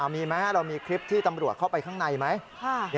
มีไหมเรามีคลิปที่ตำรวจเข้าไปข้างในไหม